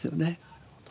なるほど。